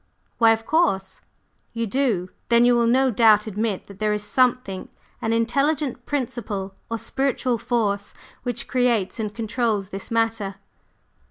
"Why, of course!" "You do. Then you will no doubt admit that there is Something an Intelligent Principle or Spiritual Force which creates and controls this Matter?"